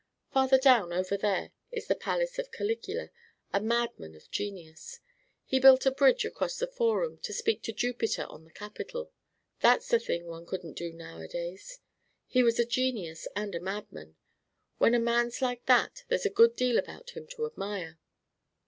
Farther down, over there, is the Palace of Caligula, a madman of genius. He built a bridge across the Forum to speak to Jupiter in the Capitol. That's a thing one couldn't do nowadays. He was a genius and a madman. When a man's like that, there's a good deal about him to admire."